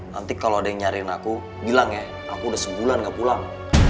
nanti kalau ada yang nyariin aku bilang ya aku udah sebulan gak pulang